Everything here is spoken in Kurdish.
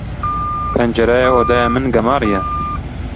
Pencereya odeya min gemarî ye.